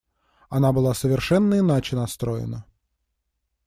Она была совершенно иначе настроена.